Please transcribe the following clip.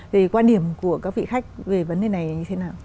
thì quan điểm của các vị khách về vấn đề này như thế nào